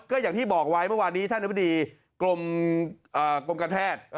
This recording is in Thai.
ก็อย่างที่บอกไว้เมื่อวานี้ท่านอุบัติกรมกรรมการแทศ